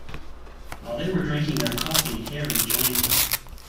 While they were drinking their coffee Harry joined them.